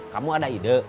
kamu ada ide